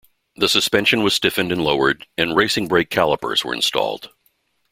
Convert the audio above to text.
The suspension was stiffened and lowered, and racing brake calipers were installed.